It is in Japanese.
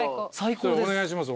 お願いします